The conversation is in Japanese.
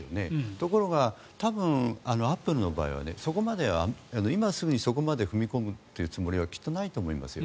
ところが多分、アップルの場合は今すぐにそこまで踏み込むつもりはきっとないと思いますよ。